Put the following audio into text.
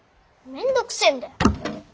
めんどくせえんだよ！